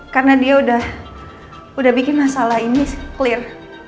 karena dia udah bikin masalah ini clear